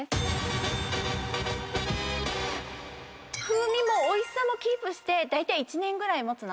風味もおいしさもキープしてだいたい１年ぐらい持つので。